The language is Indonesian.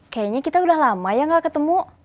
kayaknya kita udah lama ya gak ketemu